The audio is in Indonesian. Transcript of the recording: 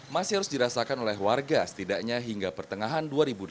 masih harus dirasakan oleh warga setidaknya hingga pertengahan dua ribu delapan belas